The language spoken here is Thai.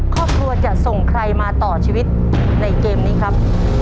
ครอบครัวจะส่งใครมาต่อชีวิตในเกมนี้ครับ